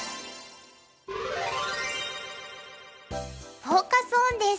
フォーカス・オンです。